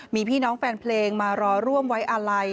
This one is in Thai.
มีพี่น้องแฟนเพลงมารอร่วมไว้อาลัย